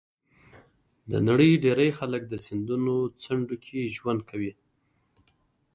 د نړۍ ډېری خلک د سیندونو څنډو کې ژوند کوي.